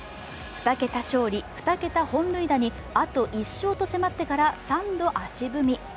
２桁勝利、２桁本塁打にあと１勝と迫ってから、３度足踏み。